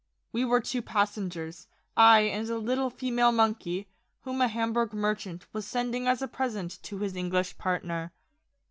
We were two passengers ; I and a little female monkey, whom a Hamburg merchant was sending as a present to his English partner.